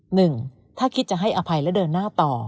หนึ่งถ้าคิดจะให้อภัยและเดินหน้าต่อ